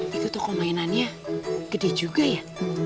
bukannya gede juga ya